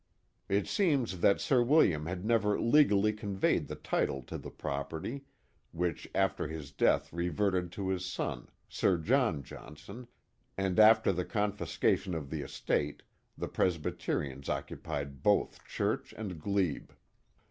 It seems that Sir William had never legally conveyed the title to the property, which after his death reverted to his son, Sir John Johnson, and after the confiscation of the estate, the Presbyterians occupied both church and glebe.